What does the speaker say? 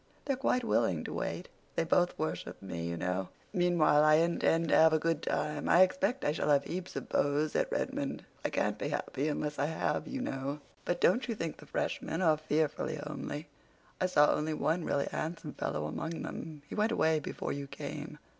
They're quite willing to wait. They both worship me, you know. Meanwhile, I intend to have a good time. I expect I shall have heaps of beaux at Redmond. I can't be happy unless I have, you know. But don't you think the freshmen are fearfully homely? I saw only one really handsome fellow among them. He went away before you came.